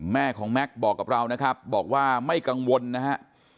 แม่ของแม็กซ์บอกกับเรานะครับบอกว่าไม่กังวลนะฮะ